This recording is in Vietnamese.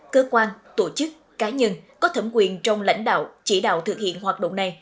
cơ quan tổ chức cá nhân có thẩm quyền trong lãnh đạo chỉ đạo thực hiện hoạt động này